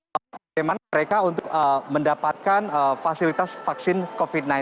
bagaimana cara mereka mendapatkan fasilitas vaksin covid sembilan belas